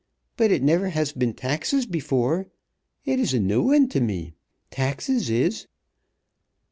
But it never has been taxes before. It is a new one to me, taxes is."